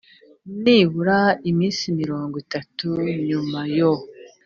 nibura mu minsi mirongo itatu nyuma yo